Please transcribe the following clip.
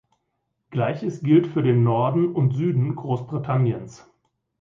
Gleiches gilt für den Norden und Süden Großbritanniens.